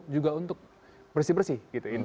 juga untuk bersih bersih